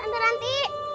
mami bangun mami